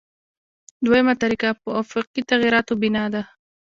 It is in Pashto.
دویمه طریقه په آفاقي تغییراتو بنا ده.